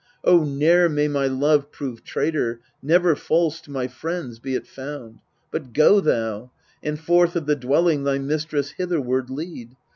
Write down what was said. Oh, ne'er may my love prove traitor, Never false to my friends be it found ! But go thou, and forth of the dwelling Thy mistress hitherward lead.